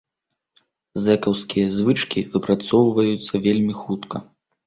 Зэкаўскія звычкі выпрацоўваюцца вельмі хутка.